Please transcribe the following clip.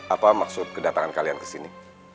apa maksud kedatangan kalian kesini